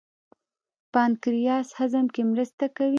پانکریاس هضم کې مرسته کوي.